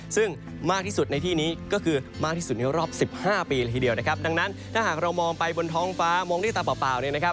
ซึ่งมากที่สุดในที่นี้ก็คือมากที่สุดในรอบสิบห้าปีละทีเดียวนะครับดังนั้นถ้าหากเรามองไปบนท้องฟ้ามองด้วยตาเปล่าเนี่ยนะครับ